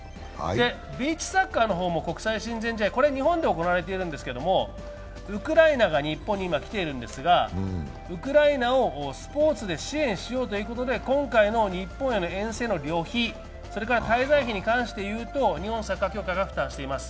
ビーチサッカーのほうも国際親善試合これ、日本で行われているんですけれども、ウクライナが日本に今来ているんですが、ウクライナをスポーツで支援しようということで、今回の日本への遠征の旅費を日本サッカー協会が負担しています。